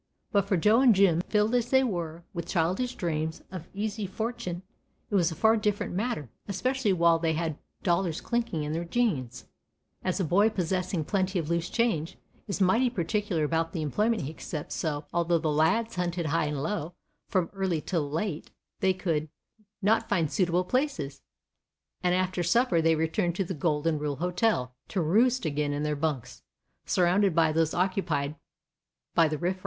But for Joe and Jim, filled as they were with childish dreams of easy fortune, it was a far different matter, especially while they had dollars clinking in their jeans, as a boy possessing plenty of loose change is mighty particular about the employment he accepts, so, although the lads hunted high and low, from early till late, they could not find suitable places, and after supper they returned to the "Golden Rule Hotel" to "roost" again in their bunks, surrounded by those occupied by the riff raff of the slums.